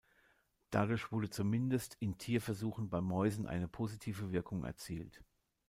Dadurch wurde zumindest in Tierversuchen bei Mäusen eine positive Wirkung erzielt.